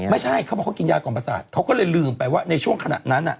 ไม่ใช่เค้าบอกว่าเค้ากินยากล่องประสาทเค้าก็เลยลืมไปว่าในช่วงขณะนั้น